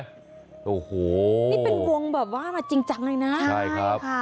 นี้เป็นวงแบบว่าูโมม่ายจริงจังเลยนะใช่ครับ